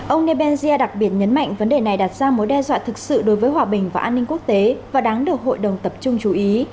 ông nebensia đặc biệt nhấn mạnh vấn đề này đặt ra mối đe dọa thực sự đối với hòa bình và an ninh quốc tế và đáng được hội đồng tập trung chú ý